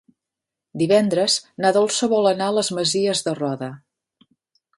Divendres na Dolça vol anar a les Masies de Roda.